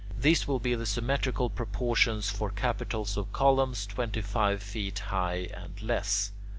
These will be the symmetrical proportions for capitals of columns twenty five feet high and less.